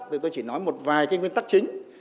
tôi chỉ nói một vài cái nguyên tắc chính